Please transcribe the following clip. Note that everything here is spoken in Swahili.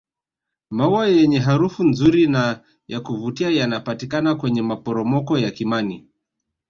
maua yenye harufu nzuri na yakuvutia yanapatikana kwenye maporomoko ya kimani